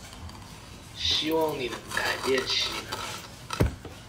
希望你能改變心意